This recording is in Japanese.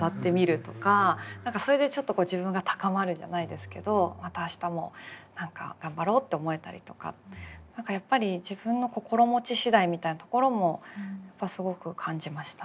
それでちょっと自分が高まるじゃないですけどまた明日も何か頑張ろうって思えたりとか何かやっぱり自分の心持ち次第みたいなところもすごく感じましたね。